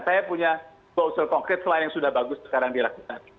saya punya bau sel konkret selain yang sudah bagus sekarang dilakukan